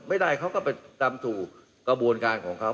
ไม่ได้เขาก็ไปดำสู่กระบวนการของเขา